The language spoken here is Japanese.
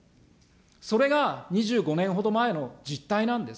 それが２５年ほど前の実態なんです。